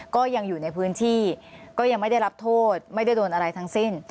ก็ยังอยู่ในพื้นที่ก็ยังไม่ได้รับโทษไม่ได้โดนอะไรทั้งสิ้น